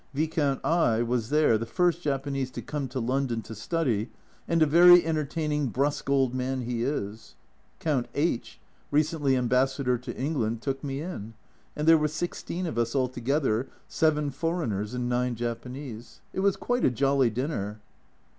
Viscount / was there, the first Japanese to come to London to study, and a very entertaining brusque old man he is ! Count H , recently Ambassador to England, took me in, and there were sixteen of us altogether, seven foreigners and nine Japanese. It was quite a jolly dinner.